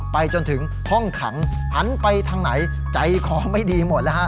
ไปจนถึงห้องขังหันไปทางไหนใจคอไม่ดีหมดแล้วฮะ